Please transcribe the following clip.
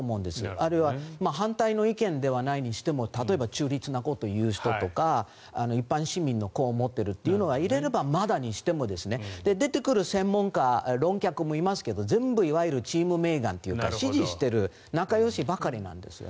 あるいは反対の意見ではないにしても例えば中立なことを言う人とか一般市民はこう思っているというのを入れれば、まだにしても出てくる専門家、論客もいますが全部チーム・メーガンというか仲よしばかりなんです。